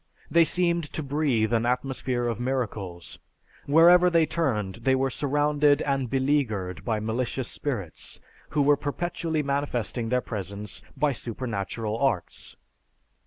They seemed to breathe an atmosphere of miracles. Wherever they turned they were surrounded and beleaguered by malicious spirits, who were perpetually manifesting their presence by supernatural arts.